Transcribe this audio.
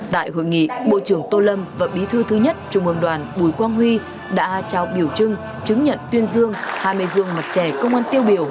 tại hội nghị bộ trưởng tô lâm và bí thư thứ nhất trung ương đoàn bùi quang huy đã trao biểu trưng chứng nhận tuyên dương hai mươi gương mặt trẻ công an tiêu biểu